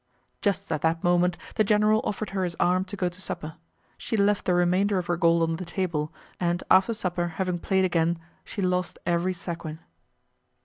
Just at that moment the general offered her his arm to go to supper; she left the remainder of her gold on the table, and after supper, having played again, she lost every sequin.